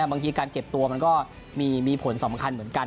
บางทีการเก็บตัวมันก็มีผลสำคัญเหมือนกัน